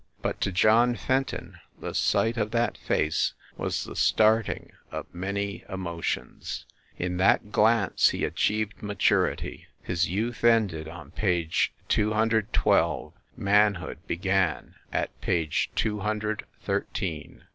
But to John Fenton, the sight of that face was the starting of many emo tions ; in that glance he achieved maturity ; his youth ended on page two hundred twelve, manhood began at page two hundred thirteen.